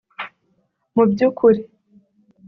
Mu by’ukuri